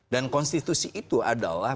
dan konstitusi itu adalah